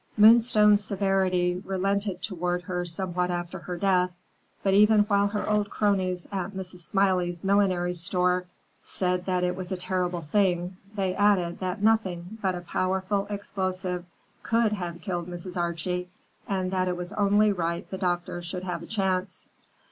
Moonstone severity relented toward her somewhat after her death. But even while her old cronies at Mrs. Smiley's millinery store said that it was a terrible thing, they added that nothing but a powerful explosive could have killed Mrs. Archie, and that it was only right the doctor should have a chance.